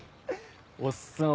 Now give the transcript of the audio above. おっさん